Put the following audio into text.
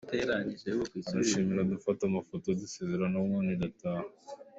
Aranshimira, dufata amafoto, dusezeranaho ubundi ndataha.